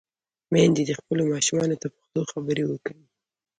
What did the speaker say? میندې دې خپلو ماشومانو ته پښتو خبرې وکړي.